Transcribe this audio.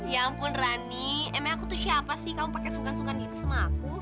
ya ampun rani emang aku tuh siapa sih kamu pakai sukan sukan itu sama aku